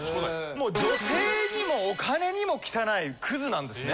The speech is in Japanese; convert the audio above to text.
もう女性にもお金にも汚いクズなんですよ。